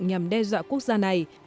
nhằm đe dọa quốc gia này